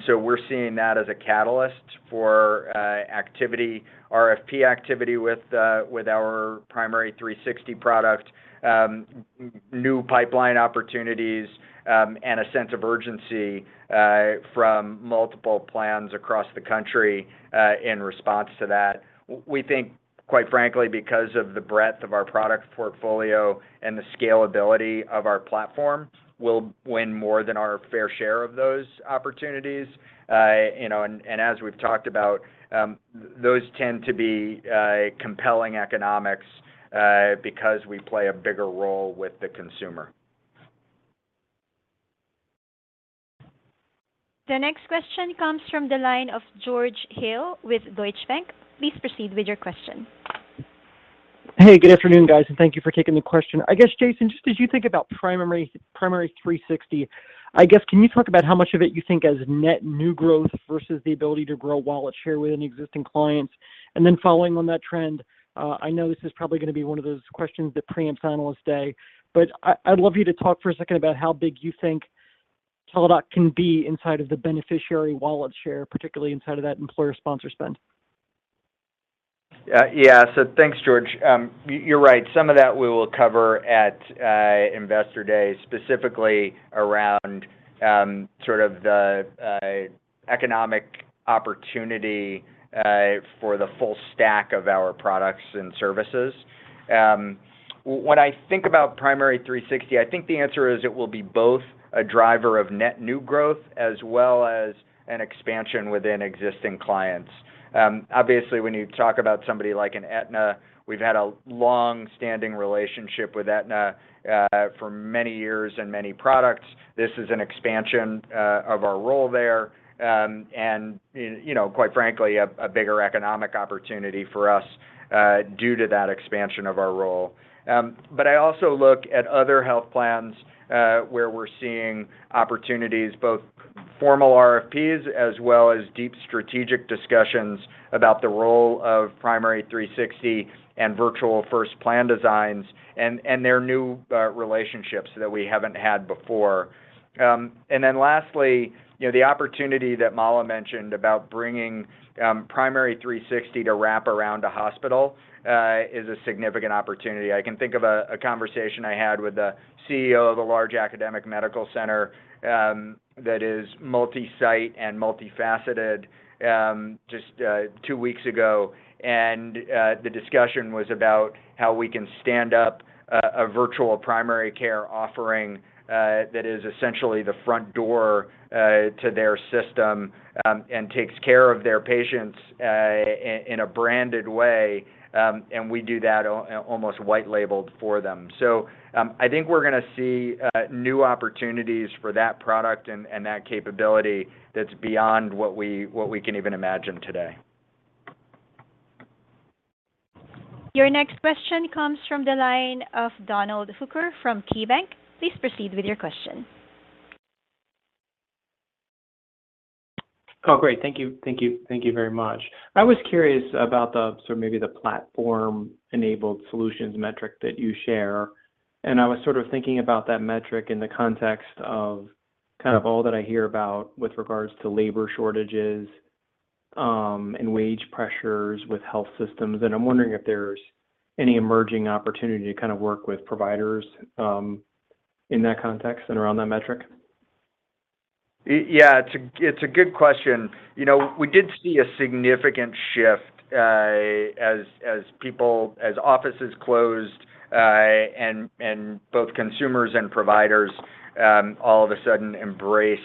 We're seeing that as a catalyst for activity, RFP activity with our Primary360 product, new pipeline opportunities, and a sense of urgency from multiple plans across the country in response to that. We think, quite frankly, because of the breadth of our product portfolio and the scalability of our platform, we'll win more than our fair share of those opportunities. You know, as we've talked about, those tend to be compelling economics because we play a bigger role with the consumer. The next question comes from the line of George Hill with Deutsche Bank. Please proceed with your question. Hey, good afternoon, guys, and thank you for taking the question. I guess, Jason, just as you think about Primary360, I guess, can you talk about how much of it you think as net new growth versus the ability to grow wallet share within existing clients? Following on that trend, I know this is probably gonna be one of those questions that preempts Analyst Day, but I'd love you to talk for a second about how big you think Teladoc can be inside of the beneficiary wallet share, particularly inside of that employer sponsor spend. Thanks, George. You're right. Some of that we will cover at Investor Day, specifically around sort of the economic opportunity for the full stack of our products and services. When I think about Primary360, I think the answer is it will be both a driver of net new growth as well as an expansion within existing clients. Obviously, when you talk about somebody like an Aetna, we've had a long-standing relationship with Aetna for many years and many products. This is an expansion of our role there, and you know, quite frankly, a bigger economic opportunity for us due to that expansion of our role. I also look at other health plans, where we're seeing opportunities, both formal RFPs as well as deep strategic discussions about the role of Primary360 and virtual first plan designs and their new relationships that we haven't had before. Lastly, you know, the opportunity that Mala mentioned about bringing Primary360 to wrap around a hospital is a significant opportunity. I can think of a conversation I had with the CEO of a large academic medical center that is multi-site and multifaceted just two weeks ago and the discussion was about how we can stand up a virtual primary care offering that is essentially the front door to their system and takes care of their patients in a branded way and we do that almost white labeled for them. I think we're gonna see new opportunities for that product and that capability that's beyond what we can even imagine today. Your next question comes from the line of Donald Hooker from KeyBanc. Please proceed with your question. Oh, great. Thank you very much. I was curious about the sort of maybe the platform-enabled solutions metric that you share. I was sort of thinking about that metric in the context of kind of all that I hear about with regards to labor shortages. Wage pressures with health systems, and I'm wondering if there's any emerging opportunity to kind of work with providers, in that context and around that metric? Yeah, it's a good question. You know, we did see a significant shift, as offices closed, and both consumers and providers all of a sudden embraced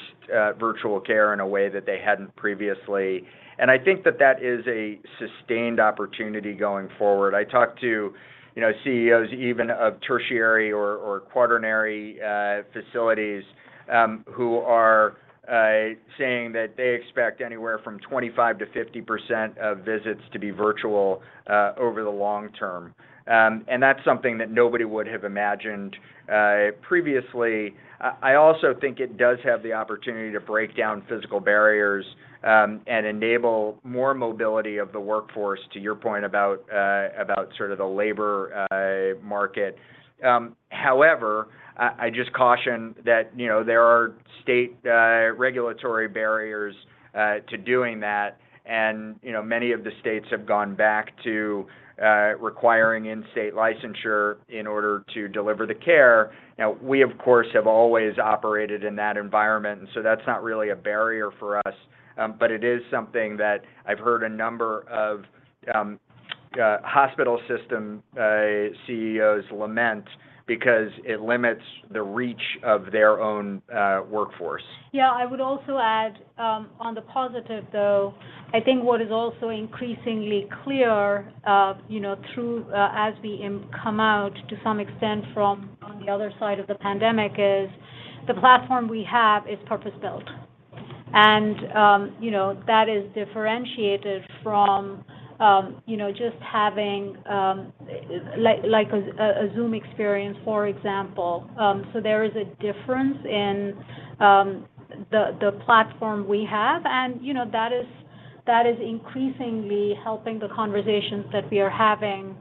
virtual care in a way that they hadn't previously. I think that is a sustained opportunity going forward. I talked to, you know, CEOs even of tertiary or quaternary facilities, who are saying that they expect anywhere from 25%-50% of visits to be virtual over the long term. That's something that nobody would have imagined previously. I also think it does have the opportunity to break down physical barriers, and enable more mobility of the workforce to your point about about sort of the labor market. However, I just caution that, you know, there are state regulatory barriers to doing that. You know, many of the states have gone back to requiring in-state licensure in order to deliver the care. Now, we, of course, have always operated in that environment, and so that's not really a barrier for us. It is something that I've heard a number of hospital system CEOs lament because it limits the reach of their own workforce. Yeah. I would also add, on the positive, though, I think what is also increasingly clear, you know, through, as we, come out to some extent from on the other side of the pandemic is the platform we have is purpose-built. You know, that is differentiated from, you know, just having, like, a Zoom experience, for example. There is a difference in, the platform we have. You know, that is increasingly helping the conversations that we are having,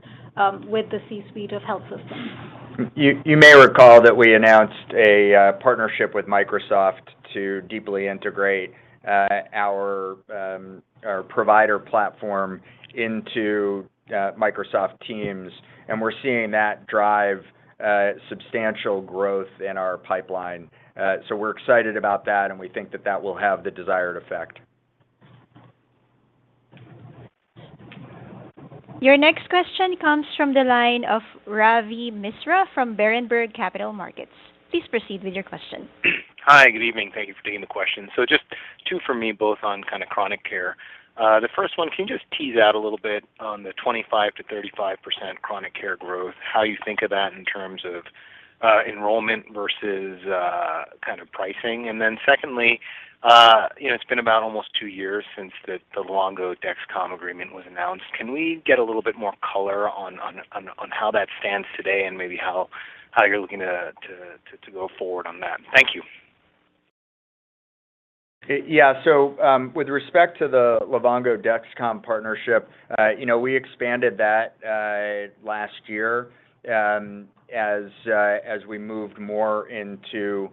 with the C-suite of health systems. You may recall that we announced a partnership with Microsoft to deeply integrate our provider platform into Microsoft Teams, and we're seeing that drive substantial growth in our pipeline. We're excited about that, and we think that will have the desired effect. Your next question comes from the line of Ravi Misra from Berenberg Capital Markets. Please proceed with your question. Hi. Good evening. Thank you for taking the question. Just two for me, both on kind of chronic care. The first one, can you just tease out a little bit on the 25%-35% chronic care growth, how you think of that in terms of enrollment versus kind of pricing? And then secondly, you know, it's been about almost two years since the Livongo-Dexcom agreement was announced. Can we get a little bit more color on how that stands today and maybe how you're looking to go forward on that? Thank you. Yeah. With respect to the Livongo-Dexcom partnership, you know, we expanded that last year, as we moved more into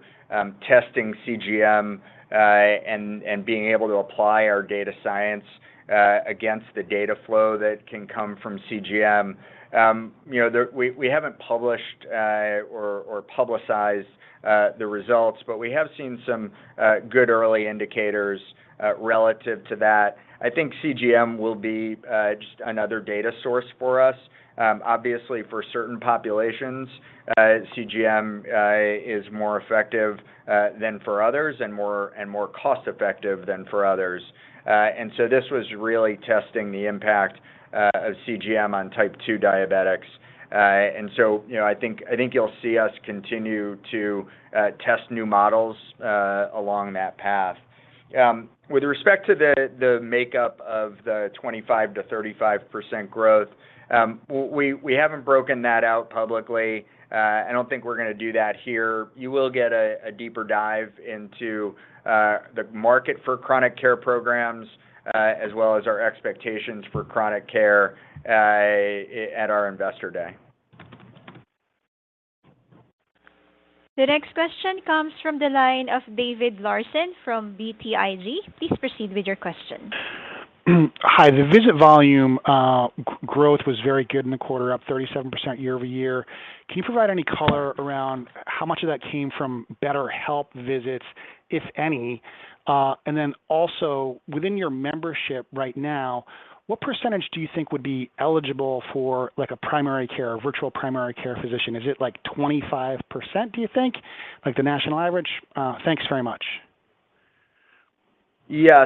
testing CGM, and being able to apply our data science against the data flow that can come from CGM. You know, we haven't published or publicized the results, but we have seen some good early indicators relative to that. I think CGM will be just another data source for us. Obviously, for certain populations, CGM is more effective than for others and more cost-effective than for others. This was really testing the impact of CGM on type two diabetics. You know, I think you'll see us continue to test new models along that path. With respect to the makeup of the 25%-35% growth, we haven't broken that out publicly. I don't think we're gonna do that here. You will get a deeper dive into the market for chronic care programs, as well as our expectations for chronic care, at our Investor Day. The next question comes from the line of David Larsen from BTIG. Please proceed with your question. Hi. The visit volume growth was very good in the quarter, up 37% year-over-year. Can you provide any color around how much of that came from BetterHelp visits, if any? Also, within your membership right now, what percentage do you think would be eligible for, like, a primary care, virtual primary care physician? Is it, like, 25%, do you think, like the national average? Thanks very much. Yeah.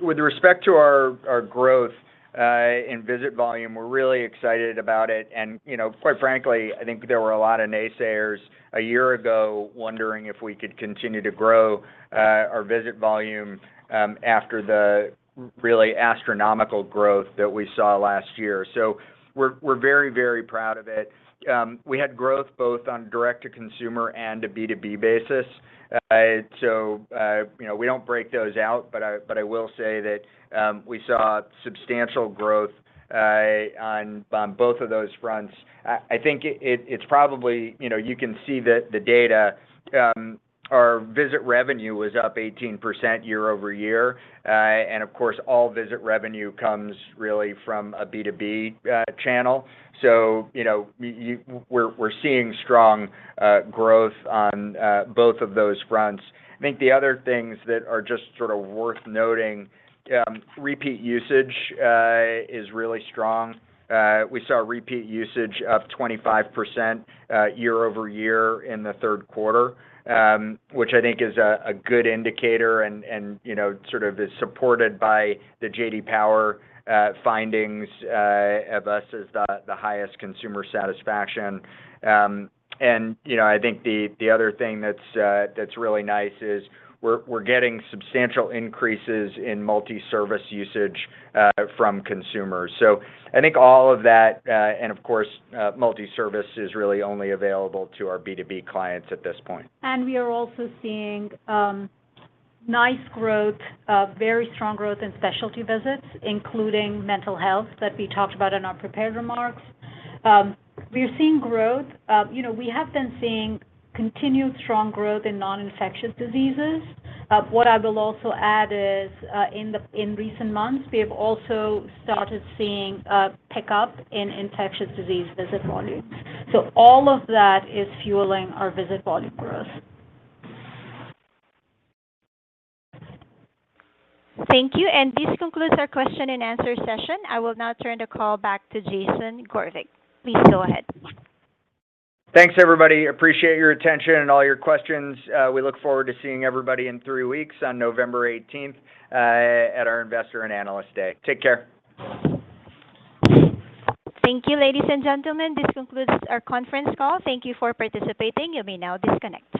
With respect to our growth in visit volume, we're really excited about it. You know, quite frankly, I think there were a lot of naysayers a year ago wondering if we could continue to grow our visit volume after the really astronomical growth that we saw last year. We're very proud of it. We had growth both on Direct-to-Consumer and a B2B basis. You know, we don't break those out, but I will say that we saw substantial growth on both of those fronts. I think it's probably, you know, you can see the data. Our visit revenue was up 18% year-over-year. Of course, all visit revenue comes really from a B2B channel. You know, we're seeing strong growth on both of those fronts. I think the other things that are just sort of worth noting, repeat usage is really strong. We saw a repeat usage up 25% year-over-year in the third quarter, which I think is a good indicator and you know sort of is supported by the J.D. Power findings of us as the highest consumer satisfaction. You know, I think the other thing that's really nice is we're getting substantial increases in multi-service usage from consumers. I think all of that and of course multi-service is really only available to our B2B clients at this point. We are also seeing nice growth, very strong growth in specialty visits, including mental health that we talked about in our prepared remarks. We are seeing growth. You know, we have been seeing continued strong growth in non-infectious diseases. What I will also add is, in recent months, we have also started seeing a pickup in infectious disease visit volumes. All of that is fueling our visit volume growth. Thank you. This concludes our question-and-answer session. I will now turn the call back to Jason Gorevic. Please go ahead. Thanks, everybody. Appreciate your attention and all your questions. We look forward to seeing everybody in three weeks on November 18th at our Investor and Analyst Day. Take care. Thank you, ladies and gentlemen. This concludes our conference call. Thank you for participating. You may now disconnect.